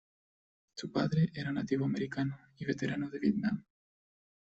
Su padre era nativo americano y veterano de Vietnam.